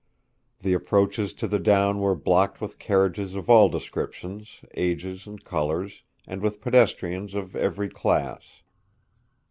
The approaches to the down were blocked with carriages of all descriptions, ages, and colours, and with pedestrians of every class.